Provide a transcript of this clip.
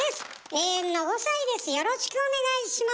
永遠の５さいです。